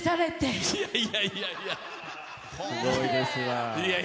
すごいですわ。